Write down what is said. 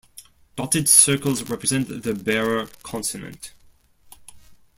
Dotted circles represent the bearer consonant.